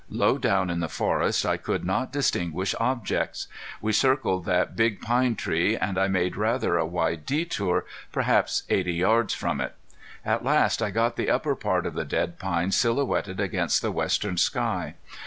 Low down in the forest I could not distinguish objects. We circled that big pine tree, and I made rather a wide detour, perhaps eighty yards from it. At last I got the upper part of the dead pine silhouetted against the western sky.